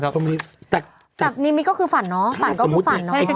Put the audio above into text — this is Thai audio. แบบนิมิตรก็คือฝั่นเนาะ